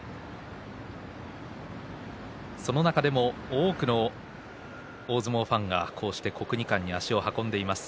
その中でも多くの大相撲ファンがこうして国技館に足を運んでいます。